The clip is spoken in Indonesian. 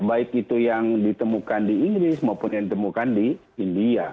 baik itu yang ditemukan di inggris maupun yang ditemukan di india